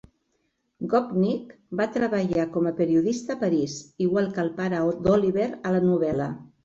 Gopnik va treballar com a periodista a París igual que el pare d'Oliver a la novel·la.